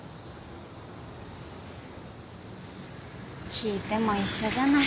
聞いても一緒じゃない。